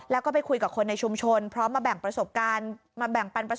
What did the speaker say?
แล้วก็ไปคุยกับคนในชุมชนพร้อมมาแบ่งประสบการณ์